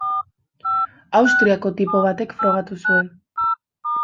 Austriako tipo batek frogatu zuen.